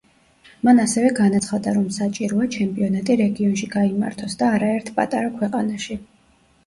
მან ასევე განაცხადა, რომ საჭიროა ჩემპიონატი რეგიონში გაიმართოს და არაერთ პატარა ქვეყანაში.